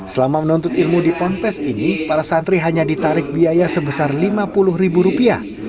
selama menuntut ilmu di ponpes ini para santri hanya ditarik biaya sebesar lima puluh ribu rupiah